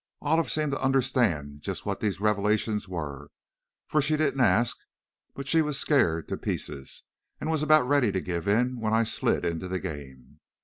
Olive seemed to understand just what these revelations were, for she didn't ask, but she was scared to pieces, and was about ready to give in when I slid into the game.